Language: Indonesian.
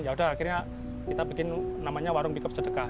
ya sudah akhirnya kita bikin warung pickup cedekah